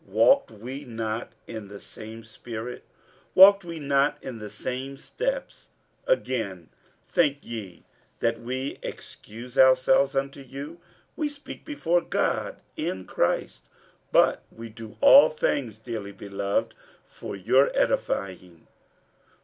walked we not in the same spirit? walked we not in the same steps? 47:012:019 Again, think ye that we excuse ourselves unto you? we speak before God in Christ: but we do all things, dearly beloved, for your edifying.